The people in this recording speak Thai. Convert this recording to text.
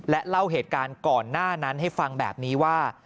เล่าเหตุการณ์ก่อนหน้านั้นให้ฟังแบบนี้ว่า